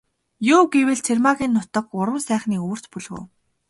Юу гэвэл, Цэрмаагийн нутаг Гурван сайхны өвөрт бөлгөө.